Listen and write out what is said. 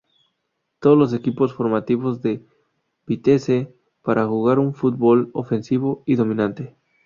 Todos los equipos formativos de Vitesse para jugar un fútbol ofensivo y dominante.